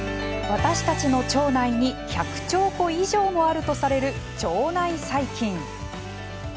私たちの腸内に１００兆個以上もあるとされる腸内細菌。